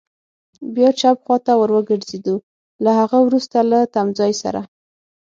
بیا چپ خوا ته ور وګرځېدو، له هغه وروسته له تمځای سره.